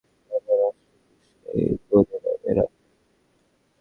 তারপর অশ্বপৃষ্ঠ থেকে গদি নামিয়ে রাখেন।